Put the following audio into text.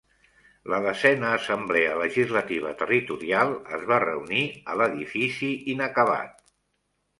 La Desena Assemblea Legislativa Territorial es va reunir a l'edifici inacabat.